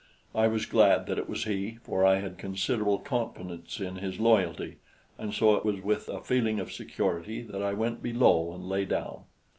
I was glad that it was he, for I had considerable confidence in his loyalty, and so it was with a feeling of security that I went below and lay down.